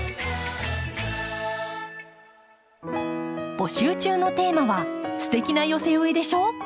募集中のテーマは「ステキな寄せ植えでしょ！」。